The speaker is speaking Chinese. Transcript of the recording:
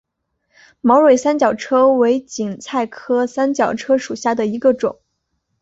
毛蕊三角车为堇菜科三角车属下的一个种。